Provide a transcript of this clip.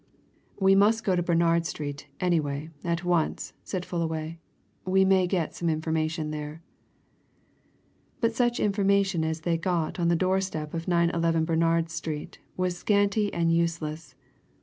"We must go to Bernard Street, anyway, at once," said Fullaway. "We may get some information there." But such information as they got on the door step of 911 Bernard Street was scanty and useless.